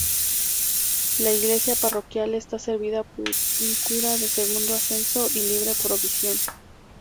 La Iglesia parroquial está servida por un cura de segundo ascenso y libre provisión.